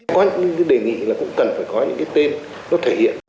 có những cái đề nghị là cũng cần phải có những cái tên nó thể hiện